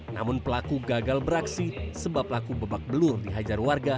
namun pelaku gagal beraksi sebab pelaku bebak belur dihajar warga